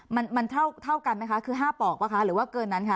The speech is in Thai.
มันเท่ากันไหมคะคือ๕ปลอกหรือว่าเกินนั้นคะ